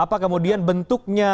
apa kemudian bentuknya